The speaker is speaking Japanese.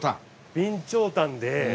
備長炭で。